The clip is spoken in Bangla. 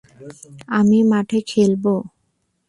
আমি মাঠেই খেলবো।